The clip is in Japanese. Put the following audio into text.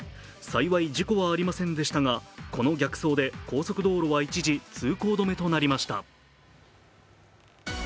幸い、事故はありませんでしたが、この逆送で高速道路は一時通行止めとなりました。